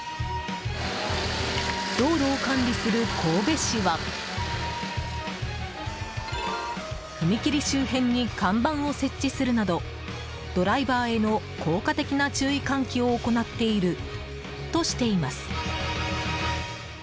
道路を管理する神戸市は踏切周辺に看板を設置するなどドライバーへの効果的な注意喚起を行っているとしています。